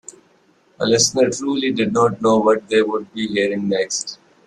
A listener truly did not know what they would be hearing next.